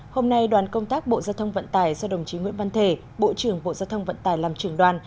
hôm nay đoàn công tác bộ giao thông vận tải do đồng chí nguyễn văn thể bộ trưởng bộ giao thông vận tải làm trưởng đoàn